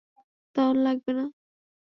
দারুণ লাগবে না?